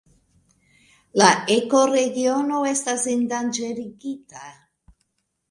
La ekoregiono estas endanĝerigita.